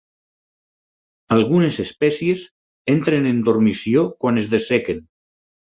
Algunes espècies entren en dormició quan es dessequen.